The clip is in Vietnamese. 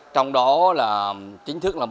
trong đó chính thức là